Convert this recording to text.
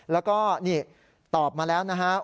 แล้วก็นี่ตอบมาแล้วนะครับ